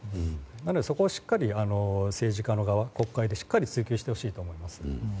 そこをしっかり政治家の側国会で追及してほしいと思います。